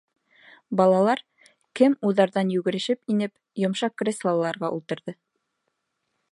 Балалар, кем уҙарҙан йүгерешеп инеп, йомшаҡ креслоларға ултырҙы.